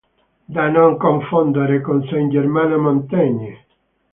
Da non confondere con Saint-Germain-en-Montagne.